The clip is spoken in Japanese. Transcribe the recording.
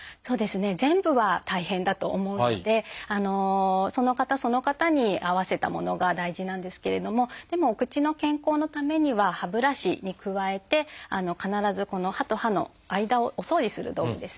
全部は大変だと思うのでその方その方に合わせたものが大事なんですけれどもでもお口の健康のためには歯ブラシに加えて必ず歯と歯の間をお掃除する道具ですね